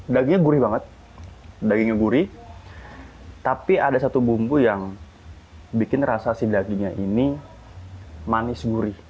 dagingnya gurih banget dagingnya gurih tapi ada satu bumbu yang bikin rasa si dagingnya ini manis gurih